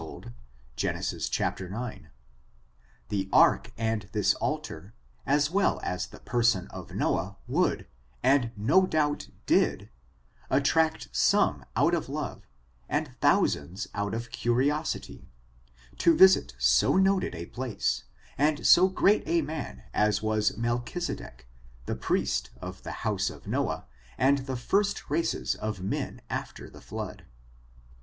Gen. ix. The ark and this altar, as well as the per son of Noah, would, and no doubt did, attract some out of love, and thousands out of curiosity, to visit so noted a place, and so great a man as was Melchise dek, the priest of the house of Noah, and the first races of men after the flood.